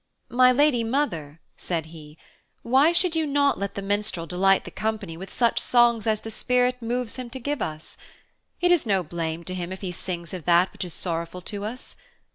'My lady mother,' said he, 'why should you not let the minstrel delight the company with such songs as the spirit moves him to give us? It is no blame to him if he sings of that which is sorrowful to us.